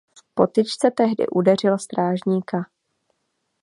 V potyčce tehdy udeřil strážníka.